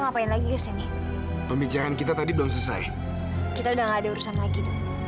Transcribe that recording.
ngapain lagi kesini pembicaraan kita tadi belum selesai kita udah gak ada urusan lagi